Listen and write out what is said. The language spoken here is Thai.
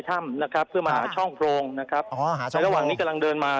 แต่ว่าผมจะอยู่ในส่วนด้านหลังที่เดินมา